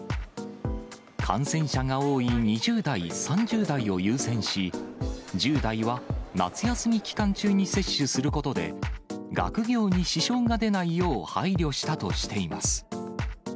感染者が多い２０代、３０代を優先し、１０代は夏休み期間中に接種することで、学業に支障が出ないよう、配慮したとしています。